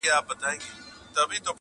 بل وايي دود بل وايي جرم,